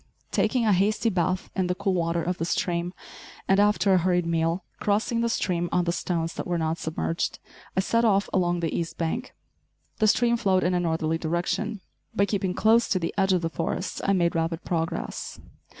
Taking a hasty bath in the cool water of the stream, and after a hurried meal, crossing the stream on the stones that were not submerged, I set off along the east bank. The stream flowed in a northerly direction. By keeping close to the edge of the forest I made rapid progress.